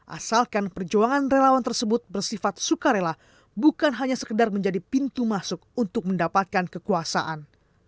asalkan perjuangan relawan tersebut bersifat sukarela bukan hanya sekedar menjadi pintu masuk untuk mendapatkan kekuasaan